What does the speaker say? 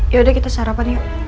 yaudah kita sarapan yuk